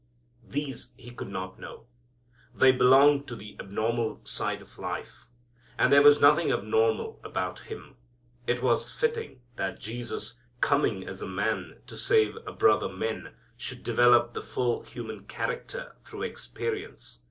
These He could not know. They belong to the abnormal side of life. And there was nothing abnormal about Him. It was fitting that Jesus, coming as a man to save brother men, should develop the full human character through experience.